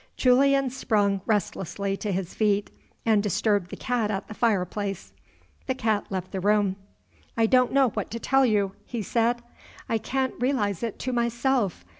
Julian sprung restlessly to his feet, and disturbed the cat at the fireplace. (The cat left the room.) "I don't know what to tell you," he said; "I can't realize it to myself.